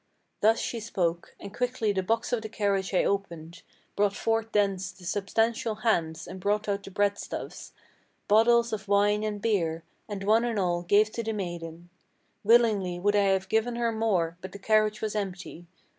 Thus she spoke, and quickly the box of the carriage I opened, Brought forth thence the substantial hams, and brought out the breadstuffs, Bottles of wine and beer, and one and all gave to the maiden. Willingly would I have given her more, but the carriage was empty.